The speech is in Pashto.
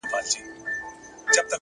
هره ناکامي د بیا هڅې بلنه ده!